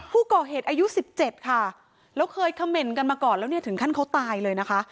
ผู้ก่อเหตุอายุ๑๗ค่ะแล้วเคยเขม่นกันมาก่อนแล้วเนี่ยถึงขั้นเขาตายเลยนะคะ